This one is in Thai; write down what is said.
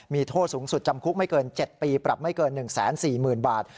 มีโทษสูงสุดจำคุกไม่เกิน๗ปีปรับไม่เกิน๑๔๐๐๐บาท